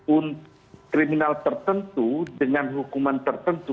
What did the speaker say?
untuk kriminal tertentu dengan hukuman tertentu